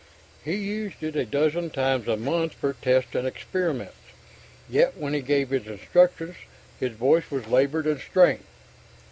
He used it a dozen times a month for tests and experiments, yet when he gave his instructions his voice was labored and strained.